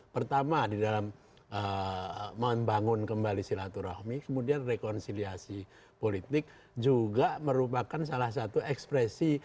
pertama di dalam membangun kembali silaturahmi kemudian rekonsiliasi politik juga merupakan salah satu ekspresi